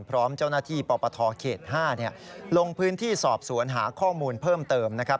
พร้อมเจ้าหน้าที่ปปทเขต๕ลงพื้นที่สอบสวนหาข้อมูลเพิ่มเติมนะครับ